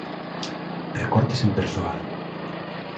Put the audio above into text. Recortes en persoal.